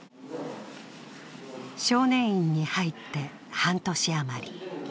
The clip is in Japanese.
少年院に入って半年余り。